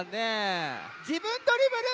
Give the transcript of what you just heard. じぶんドリブル！